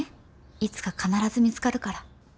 いつか必ず見つかるから。